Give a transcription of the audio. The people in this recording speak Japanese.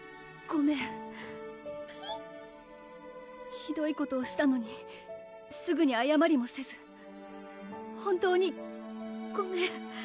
ごめんピッひどいことをしたのにすぐにあやまりもせず本当にごめん！